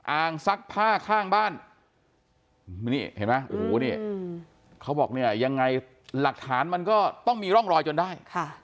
อ่างซักผ้าข้างบ้านเขาบอกยังไงหลักฐานมันก็ต้องมีร่องรอยจนได้